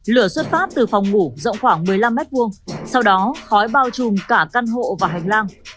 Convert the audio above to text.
lửa xuất phát từ phòng ngủ rộng khoảng một mươi năm m hai sau đó khói bao trùm cả căn hộ và hành lang